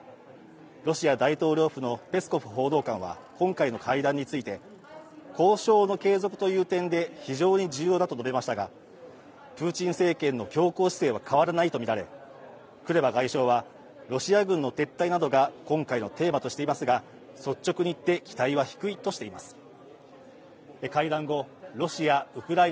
ロシア大統領府のペスコフ報道官は今回の会談について、交渉の継続という点で非常に重要だと述べましたがプーチン政権の強硬姿勢は変わらないとみられ、クレバ外相は、ロシア軍の撤退などが今回のテーマとしていますが率直に言って期待は低いとしています。